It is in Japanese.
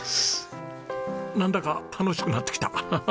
なんだか楽しくなってきた。